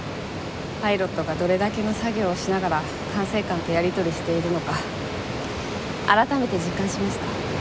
パイロットがどれだけの作業をしながら管制官とやり取りしているのか改めて実感しました。